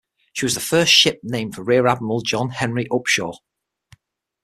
She was the first ship named for Rear Admiral John Henry Upshur.